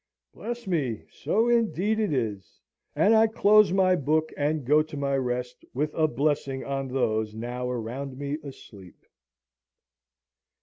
"Bless me! So indeed it is." And I close my book, and go to my rest, with a blessing on those now around me asleep.